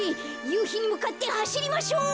ゆうひにむかってはしりましょう！